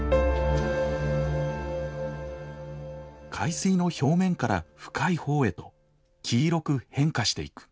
海水の表面から深い方へと黄色く変化していく。